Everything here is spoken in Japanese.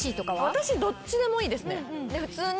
私どっちでもいいですね。